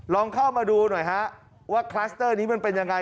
ลองเข้ามาดูหน่อยฮะว่าคลัสเตอร์นี้มันเป็นยังไง